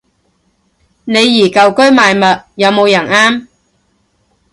李怡舊居賣物，有冇人啱